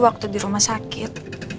waktu di rumah sakit